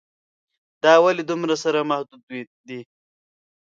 دا ولې دومره سره محدود دي.